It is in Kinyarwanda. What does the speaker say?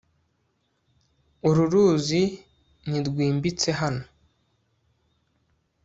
uru ruzi ni rwimbitse hano